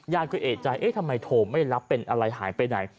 ญาติก็เอ่ยใจทำไมโทรไม่รับเป็นอะไรหายไปไหน